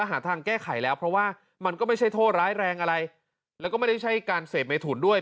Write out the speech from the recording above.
หาทางแก้ไขแล้วเพราะว่ามันก็ไม่ใช่โทษร้ายแรงอะไรแล้วก็ไม่ได้ใช้การเสพเมถุนด้วย